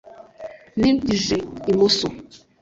nimyije imoso.